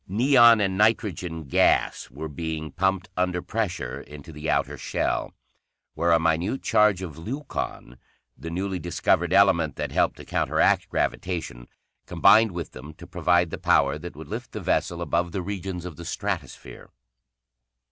Neon and nitrogen gas were being pumped under pressure into the outer shell, where a minute charge of leucon, the newly discovered element that helped to counteract gravitation, combined with them to provide the power that would lift the vessel above the regions of the stratosphere.